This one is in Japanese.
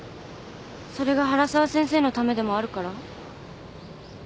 それが原沢先生のためでもあるから？